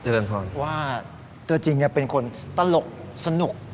เจริญพรว่าตัวจริงจะเป็นคนตลกสนุก